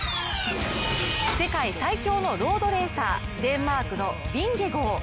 世界最強のロードレーサー、デンマークのヴィンゲゴー。